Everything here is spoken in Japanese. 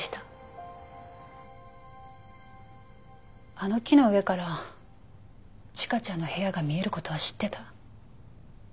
あの木の上から千佳ちゃんの部屋が見える事は知ってた。